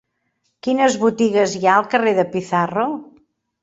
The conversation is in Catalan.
Quines botigues hi ha al carrer de Pizarro?